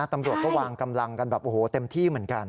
ตำรวจก็วางกำลังกันแบบโอ้โหเต็มที่เหมือนกัน